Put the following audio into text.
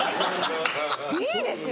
いいですよ